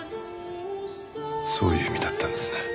そういう意味だったんですね。